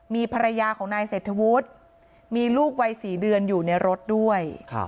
มีภรรยาของนายเศรษฐวุฒิมีลูกวัย๔เดือนอยู่ในรถด้วย